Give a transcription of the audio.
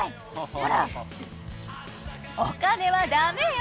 コラお金はダメよ。